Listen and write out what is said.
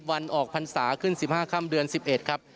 วันออกพรรษาขึ้น๑๕ค่ำเดือน๑๑ครับ